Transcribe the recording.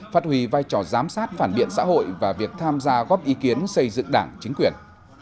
phát huy vai trò giám sát phản biện xã hội và việc tham gia góp ý kiến xây dựng đảng chính quyền